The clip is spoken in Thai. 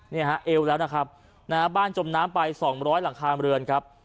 เนี่ยฮะเอวแล้วนะครับนะฮะบ้านจมน้ำไป๒๐๐หลังคาเรือนครับ